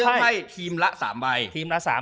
เราจะเลือกไพ่ทีมละ๓ใบ